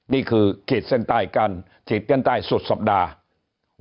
นี่คือเขตเส้นใต้กันเขตเส้นใต้สุดสัปดาห์